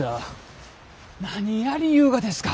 何やりゆうがですか！